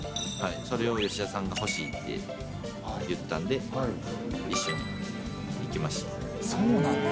それを吉田さんが欲しいって言ったんで、一緒に行きます。